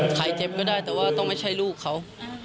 เจ็บก็ได้แต่ว่าต้องไม่ใช่ลูกเขา